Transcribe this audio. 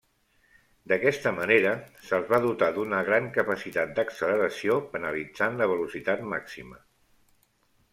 D'aquesta manera, se'ls va dotar d'una gran capacitat d'acceleració penalitzant la velocitat màxima.